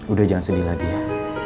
udah jangan sedih lagi ya